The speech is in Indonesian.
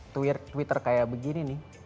twitter kayak begini nih